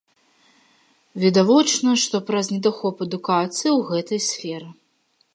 Відавочна, што праз недахоп адукацыі ў гэтай сферы.